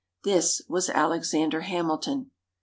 This was Alexander Hamilton.